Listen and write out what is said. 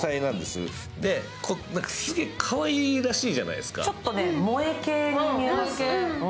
すごいかわいらしいじゃないですか。